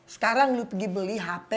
sekarang lo pergi beli hp